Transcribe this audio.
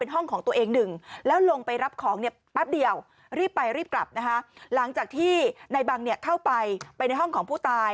หลังจากที่ในบังเนี่ยเข้าไปไปในห้องของผู้ตาย